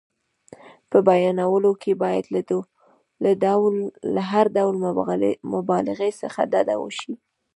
په بیانولو کې باید له هر ډول مبالغې څخه ډډه وشي.